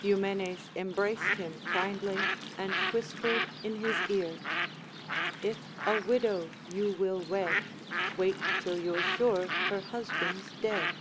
Eumenes embraced him kindly, and whispered in his ear :— If a widow you will wed, Wait till you're sure her husband's dead.